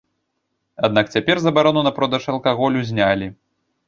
Аднак цяпер забарону на продаж алкаголю знялі.